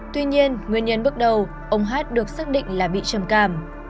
tuy nhiên nguyên nhân bước đầu ông hát được xác định là bị trầm cảm